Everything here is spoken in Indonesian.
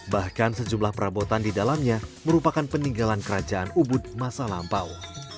bahkan sejumlah perabotan di dalamnya merupakan peninggalan kerajaan ubud masa lampau